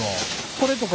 これとか。